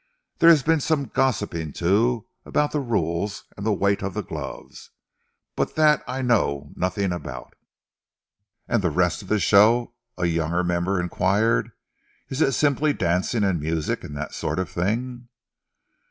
There has been some gossiping, too, about the rules, and the weight of the gloves, but that I know, nothing about." "And the rest of the show?" a younger member enquired. "Is it simply dancing and music and that sort of thing?"